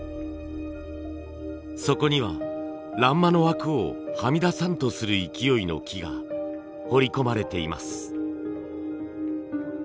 そこには欄間の枠をはみ出さんとする勢いの木が彫り込まれています。